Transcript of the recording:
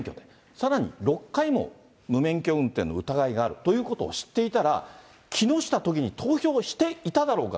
さらに６回も無免許運転の疑いがあるということを知っていたら、木下都議に投票していただろうか。